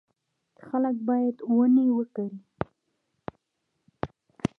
خلک باید ونې وکري.